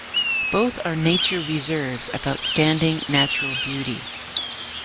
Both are nature reserves of outstanding natural beauty.